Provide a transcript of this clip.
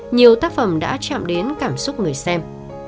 nhiều tác phẩm đã chạm đến cảm xúc người xem